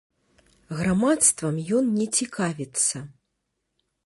Грамадствам ён не цікавіцца.